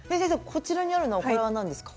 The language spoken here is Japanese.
こちらにあるのはこれは何ですか？